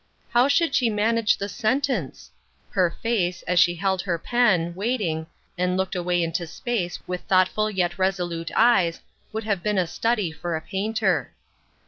How should she manage the sentence ? Her face, as she held her pen, waiting, and looked away into space, with thoughtful yet resolute eyes, would have been a study for a painter.